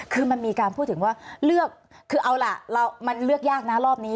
คือมันมีการพูดถึงว่าเลือกคือเอาล่ะมันเลือกยากนะรอบนี้